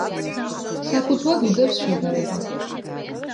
საფუძვლად უდევს შედარება.